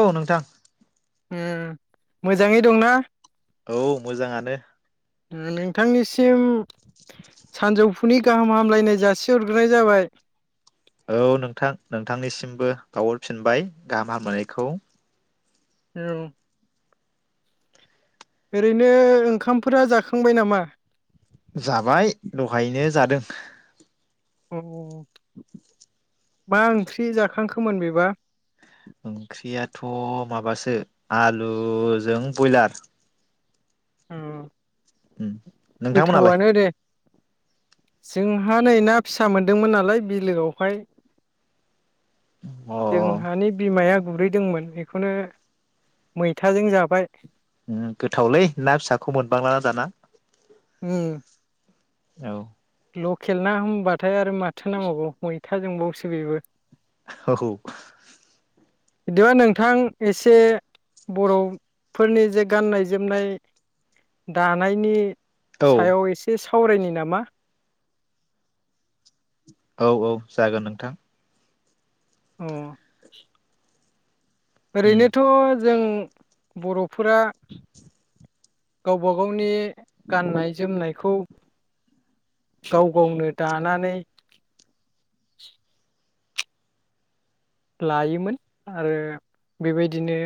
औ नोंथां। उम मोजाङै दंना। औ मोजांङानो। नोंथांनिसिम सानजौफुनि गाहाम हामलायनाय जासिहरग्रोनाय जाबाय। औ नोंथां नोंथांनिसिमबो बावहरफिनबाय गाहाम हामलायनायखौ। औ ओरैनो ओंखामफोरा जाखांबाय नामा? जाबाय दहायनो जादों। अ मा ओंख्रि जाखांखोमोन बेबा? थ' माबासो आलुजों बयलार। अ नोंथांमोनालाय? गोथावानो दे जोंहा नै ना फिसा मोनदोंमोन नालाय बिलोआवहाय। अ जोंहानि बिमाया गुरैदोंमोन बेखौनो मैथाजों जाबाय। गोथावलै ना फिसाखौ मोनबांलाना दाना। उम औ लकेल ना होनबाथाय आरो माथो नांबावगौ मैथाजोंबावसो बेबो। औ बिदिबा नोंथां एसे बर'फोरनि जे गाननाय जोमनाय दानायनि औ सायाव एसे सा सावरायनि नामा? औ औ जागोन नोंथां। औ [unintelligible] उम ओरैनोथ' जों बर'फोरा गावबा गावनि गाननाय जोमनायखौ गाव गावनो दानानै [inaudible] लायोमोन आरो बेबायदिनो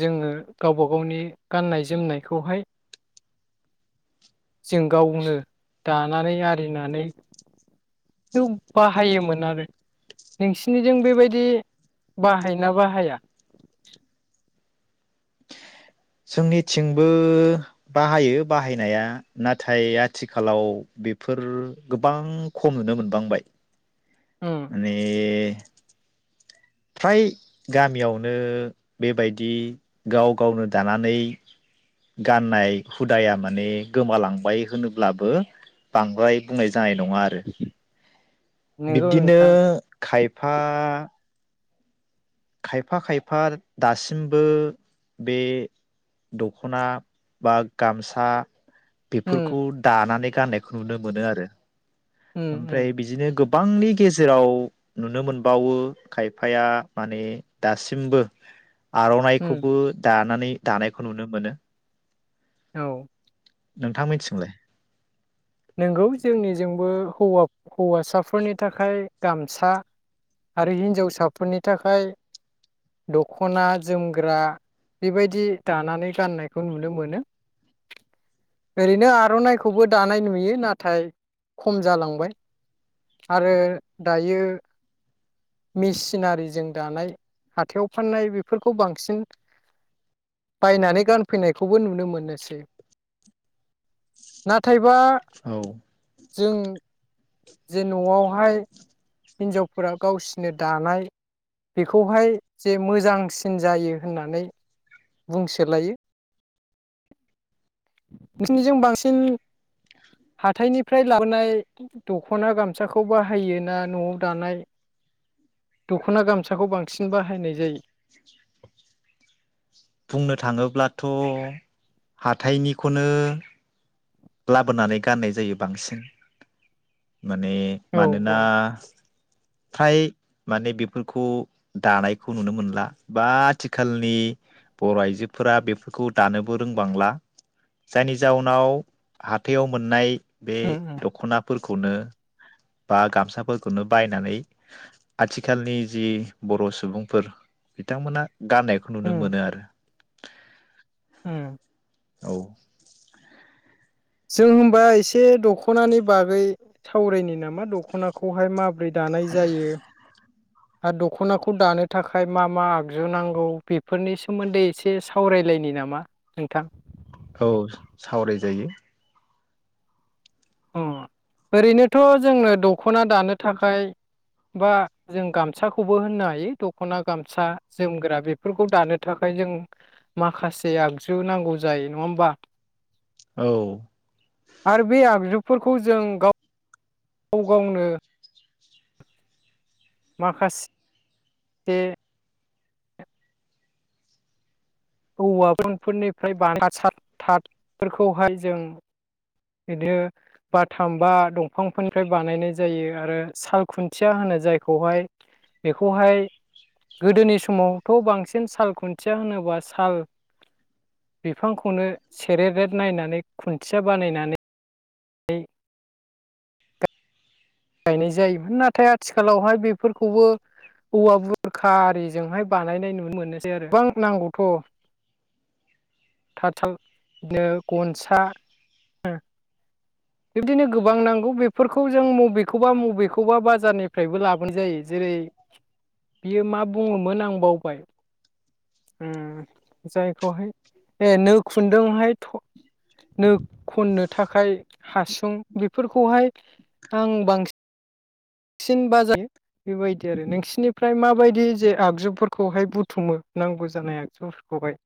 जोङो गावबा गावनि गाननाय जोमनायखौहाय जों गावनो दानानै आरिनानै थ' बाहायोमोन आरो नोंसिनिजों बेबायदि बाहायोना बाहाया? जोंनिथिंबो बाहायो बाहायनाया नाथाय आथिखालाव बेफोर गोबां खम नुनो मोनबांबाय। उम माने फ्राय गामियावनो बेबायदि गाव गावनो दानानै गाननाय हुदाया माने गोमालांबाय होनोब्लाबो बांद्राय बुंनाय जा नाय नङा आरो नंगौ बिब्दिनो नोंथां खाय फा खायफा खायफा दासिमबो बे दख'ना बा गामसा उम बेफोरखौ दानानै गाननायखौ नुनो मोनो आरो उम उम ओमफ्राय बिजिनो गोब बांनि गेजेराव नुनो मोनबावो खायफाया माने दासिमबो उम आर'नाइखौबो दान नानै दानायखौ नुनो मोनो। औ नोंथां मिथिंलाय? नोंगौ जोंनिजोंबो हौवा हौवासाफोरनि थाखाय गामसा आरो हिनजावसाफोरनि थाखाय दख'ना जोमग्रा बेबायदि दानानै गाननायखौ नुनो मोनो ओरैनो आर'नाइखौबो दानाय नु यो नाथाय खम जालांबाय आरो दायो मेसिनारिजों दानाय हाथायाव फाननाय बेफोरखौ बांसिन बायनानै गानफैनायखौबो नुनो मोननोसै नाथायबा। औ। जों जे न'आवहाय हिनजावफोरा गावसिनो दानाय बेखौहाय जे मोजांसिन जायो होननानै बुंसोलायो। बिसिनिजों बांसिन हाथाइनिफ्राय लाबोनाय दख'ना गामसाखौ बाहायो ना न'आव दानाय दख'ना गामसाखौ बांसिन बाहायनाय जायो? बुंनो थाङोब्लाथ' हाथाइनिखौनो लाबोनानै गाननाय जायो बांसिन। माने औ मानोना फ्राय माने बेफोरखौ दानायखौ नुनो मोनला बा आथिखालनि बर' आइजोफोरा बेफोरखौ दानोबो रोंबांला जायनि जाउनाव हाथायाव मोननाय बे उम उम दख'ना फोरखौनो बा गामसाफोरखौनो बायनानै आथिखालनि जि बर' सुबुंफोर बिथांमोना गाननायखौ नुनो मोनो आरो। ओम। औ। जों होमबा एसे दख'नानि बागै सावरायनि नामा दख'नाखौहाय मा ब्रै दानाय जायो। आरो दख'नाखौ दानो थाखाय मा मा आगजु नांगौ बेफोरनि सोमोन्दै एसे सावरायलायनि नामा नोंथां? औ सावरायजायो। अ ओरैनोथ' जोंनो दख'ना दानो थाखाय बा जों गामसाखौबो होननो हायो दख'ना गामसा जोमग्रा बेफोरखौ दानो थाखाय जों माखासे आगजु नांगौ जायो नङा होमबा? औ। आरो बे आगजु फोरखौ जों गाव गाव गावनो माखास से औवाफोरनिफ्राय बानाय [unintelligible] थाथफोरखौहाय जों बिदिनो बाथाम बा दंफांफोरनिफ्राय बानायनाय जायो आरो साल खुन्थिया होनो जायखौहाय बेखौहाय गोदोनि समावथ' बांसिन साल खुन्थिया होनोबास साल बिफांखौनो सेरे रेद नायनानै खुन्थिया बानायनानै नै गायनाय जायोमोन नाथाय आथिखालावहाय बेफोरखौबो औवा बुरखा आरिजोंहाय बानायनाय नुनो मोनोसै आरो गोबां नांगौथ' थाद साल बिदनो गनसा बिब्दिनो गोबां नांगौ बेफोरखौ जों मबेखौबा मबेखौबा बाजारनिफ्रायबो लाबोनाय जायो जेरै बियो मा बुङोमोन आं बावबाय उम जायखौहाय ए नो खुन्दोंहाय थ' नो खननो थाखाय हासुं बेफोरखौहाय आं बांसि सिन बाजायो बेबायदि आरो नोंसोरनिफ्राय माबायदि जे आगजुफोरखौहाय बुथुमो नांगौ जानाय आगजुफोरखौहाय?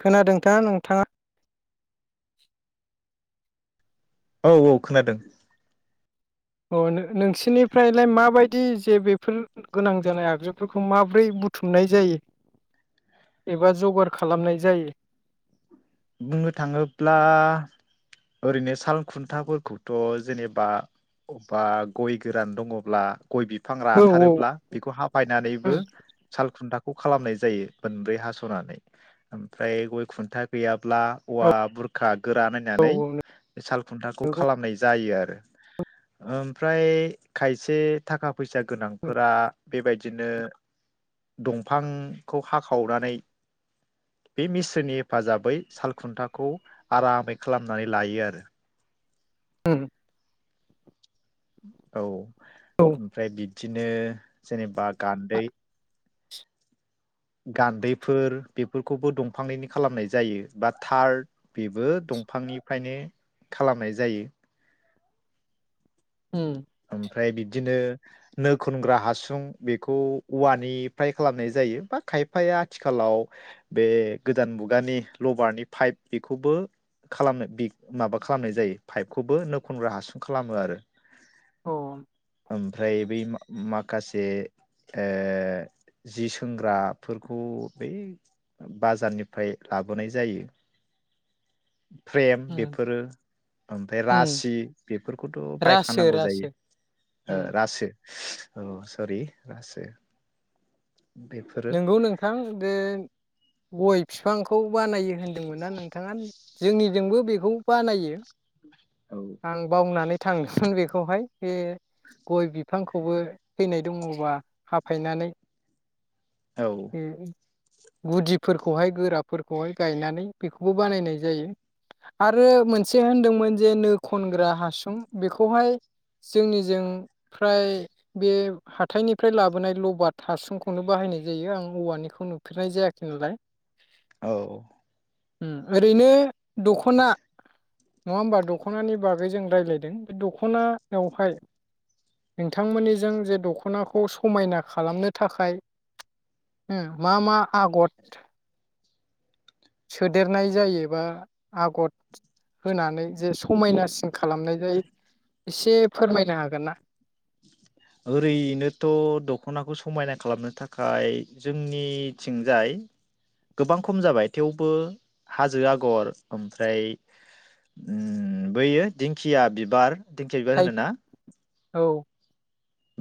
खोनादोंथा नोंथाङा? औ औ खोनादों। अ नो-नोंसोरनिफ्रायलाय माबायदि जे बेफोर गोनां जानाय आगजुफोरखौ माब्रै बुथुमनाय जायो एबा जगार खालामनाय जायो? बुंनो थाङोब्ला ओरैनो साल खुन्थाफोरखौथ' जेनेबा बबबा गय गोरान दङ'ब्ला गय बिफां औ राथारोब्ला बेखौ हाफायनानैबो साल खुन्था खौ खालामनाय जायो मोनब्रै हास'नानै ओमफ्राय गय खुन्था गैयाब्ला औवा बुरखा गोरा औ नायनानै बे साल खुन्थाखौ खालामनाय जायो आरो ओम ओमफ्राय खायसे थाखा फैसा गोनांफोरा बेबायदिनो दंफांखौ हाखावनानै बे मिसोननि हेफाजाबै सालखुन्थाखौ आरामै खालामनानै लायो आरो। होम। औ। ओमफ्राय बिद बिदिनो जेनेबा गान्दै गान्दैफोर बेफोरखौबो दंफांनिनो खालामनाय जायो बा थार बेबो दंफांनिफ्रायनो खालामनाय जायो। उम ओमफ्राय बिदिनो नो खनग्रा हासुं बेखौ औवानिफ्राय खालामनाय जायो बा खायफाया आथिखालाव बे गोदान मुगानि लबारनि पाइप बेखौबो खालामनो माबा खालामनाय जायो पाइपखौबो नो खनग्रा हासुं खालामो आरो औ ओमफ्राय बै मा माग खासे ओ जि सोंग्राफोरखौ बै बाजारनिफ्राय लाबोनाय जायो। फ्रेम बेफोरो ओमफ्राय औ रासि बेफोरखौथ' रासो बायखानांगौ जायो रासो ओ रासो‌ औ सरि रासो बेफोरो नोंगौ नोंथां बेे गय बिफांखौ बानायो होनदोंमोन्ना नोंथाङा? जोंनिजोंबो बेखौ बानायो। औ आं बावनानै थांदोंमोन बेखौहाय बे गय बिफांखौ खौबो फैनाय दङबा हाफायनानै ए ओइ गुदिफोरखौहाय गोराफोरखौहाय गायनानै बेखौबो बानायनाय जायो आरो मोनसे होनदोंमोन जे नो खनग्रा हासुं बेखौहाय जोंनिजों फ्राय बे हाथायनिफ्राय लाबोनाय लबाद हासुंखौनो बाहायनाय जायो आं औवानिखौ नुफेरनाय जायाखै नालाय। औ उम ओरैनो दख'ना नङा होमबा दख'नानि बागै जों रायलायदों बे दख'ना बेवहाय नोंथांमोननिजों जे दख'नाखौ समायना खालामनो थाखाय उम मा मा आगथ सोदेरनाय जायो बा आगथ होनानै जे समायनासि खालामनाय जायो? एसे फोरमायनो हागोन ना? ओरैनोथ' दख'नाखौ समायना खालामनो थाखाय जोंनिथिंजाय गोबां खम जाबाय थेवबो हाजो आगर ओमफ्राय उम बैयो दिंखिया बिबार दिंखिया बिबार थाइ होनो ना? औ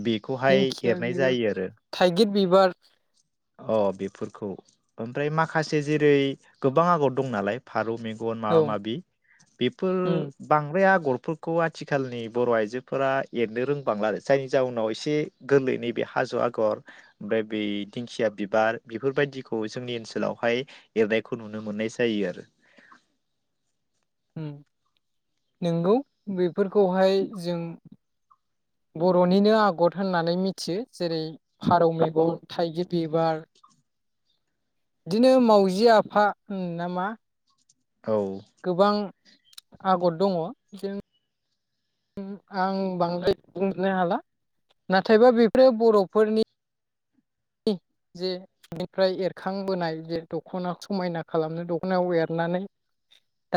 बेखौहाय दिंखिया एरनाय बिबार जायो आरो थाइगिर बिबार अ बेफोरखौ ओमफ्राय माखासे जेरै गोबां आगर दं नालाय फा रौ मेगन औ माबा माबि बेफोर उम बांद्राय आगर फोरखौ आथिखालनि बर' आइजोफोरा एरनो रोंबांला आरो जायनि जाउनाव एसे गोरलै नैबे हाजो आगर ओमफ्राय बै दिंखिया बिबार बेफोरबायदिखौ जोंनि ओनसोलावहाय एरनायखौ नुनो मोननाय जायो आरो उम नोंगौ बेफोरखौहाय जों बर'निनो आगद होननानै मिथियो जेरै फारौ मेगन थाइगिर बिबार दिनो मावजि आफा होन नामा? औ गोबां आगद दङ जों - उम आं बांद्राय बुंनो हाला नाथायबा बेफोरो बर'फोरनि जे बिनिफ्राय एरखांबोनाय जे दख'ना समायना खालामनो दख'नायाव एरनानै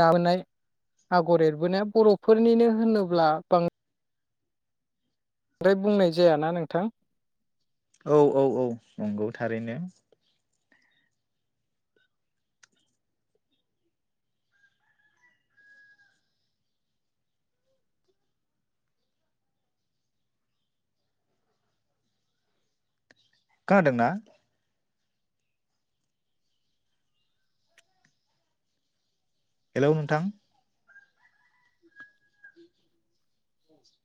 दाबोनाय आगर एरबोनाया बर'फोरनिनो होनोब्ला बां ओमफ्राय बुंनाय जायाना नोंथां? औ औ औ नंगौ थारैनो। खोनादोंना? हेल' नोंथां?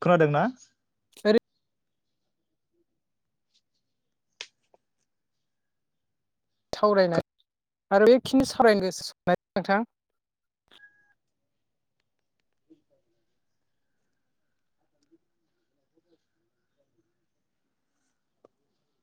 खोनादों ना? सार [unintelligible] सावरायनाय आरो बेखिनि सावरायनो [unintelligible] गोसो सनाय नोंथां?